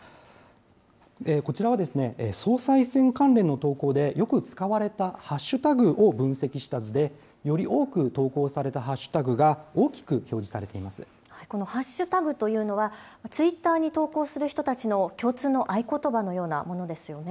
こちらは、総裁選関連の投稿で、よく使われたハッシュタグを分析した図で、より多く投稿されたハッシュタグが大きく表示されていこのハッシュタグというのは、ツイッターに投稿する人たちの共通の合言葉のようなものですよね。